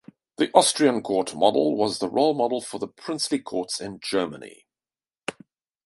The Austrian court model was the role model for the princely courts in Germany.